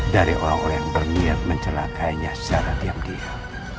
dari orang orang yang berniat mencelakainya secara diam diam